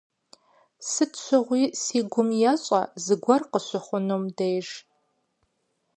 Сыт щыгъуи си гум ещӏэ зыгуэр къыщыхъунум деж.